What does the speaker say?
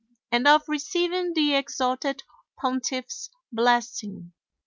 and of receiving the exalted pontiff's blessing.